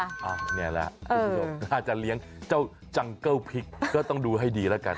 อ้าวนี่แล้วอาจจะเลี้ยงเจ้าจังเก้าพริกก็ต้องดูให้ดีแล้วกัน